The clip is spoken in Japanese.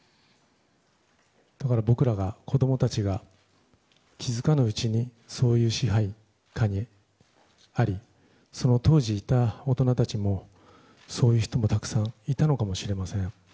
だから僕ら子供たちが気づかぬうちにそういう支配下にありその当時いた大人たちもそういう人もたくさんいたのかもしれません。